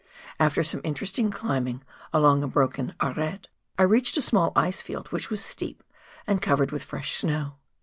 After some interest ing climbing along a broken arete I reached a small ice field which was steep and covered with fresh snow.